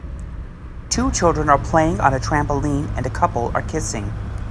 Two children are playing on a trampoline and a couple are kissing.